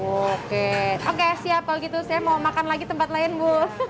oke oke siap kalau gitu saya mau makan lagi tempat lain bu